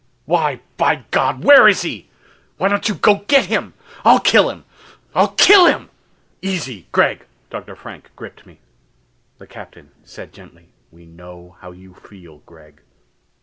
"Why, by God, where is he? Why don't you go get him? I'll get him I'll kill him!" "Easy, Gregg!" Dr. Frank gripped me. The Captain said gently. "We know how you feel, Gregg.